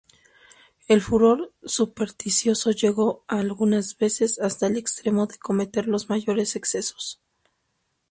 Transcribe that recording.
El furor supersticioso llegó algunas veces hasta al extremo de cometer los mayores excesos.